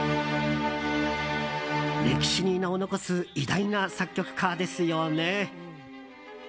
歴史に名を残す偉大な作曲家ですよね。